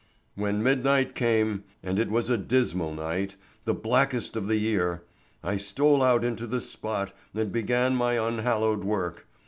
When midnight came,—and it was a dismal night, the blackest of the year,—I stole out into this spot and began my unhallowed work.